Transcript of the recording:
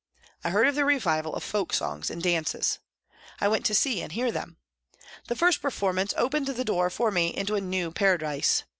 I heard of the revival of folk songs and dances. I went to see and hear them. The first performance opened the door for me into a new paradise.